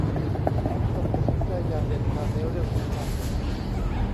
ต้องตัดสินใจอย่างเด็ดขาดในเรื่องสำคัญ